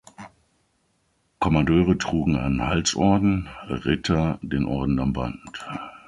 Kommandeure trugen einen Halsorden, Ritter den Orden am Band.